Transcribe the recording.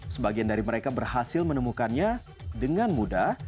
sebagian dari mereka berhasil menemukannya dengan mudah